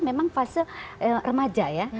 memang fase remaja ya